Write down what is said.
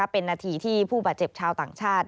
เป็นนาทีที่ผู้บาดเจ็บชาวต่างชาติ